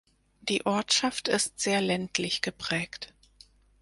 Die Ortschaft ist sehr ländlich geprägt.